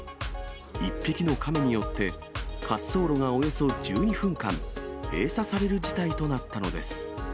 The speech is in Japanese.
１匹のカメによって、滑走路がおよそ１２分間、閉鎖される事態となったのです。